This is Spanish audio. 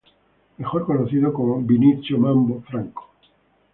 Mejor conocido como Vinicio "Mambo" Franco.